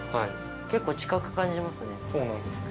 結構近く感じますね。